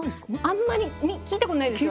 あんまり聞いたことないですよね。